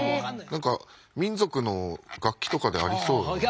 なんか民族の楽器とかでありそうな。